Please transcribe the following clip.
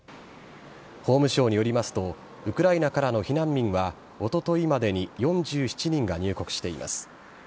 法務省によりますと、ウクライナからの避難民は、おとといまでに４７人が入国しています。